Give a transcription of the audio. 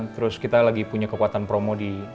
terus kita lagi punya kekuatan promo di